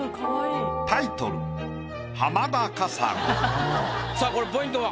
タイトルさあこれポイントは？